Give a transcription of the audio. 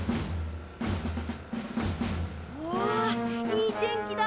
おおいい天気だ。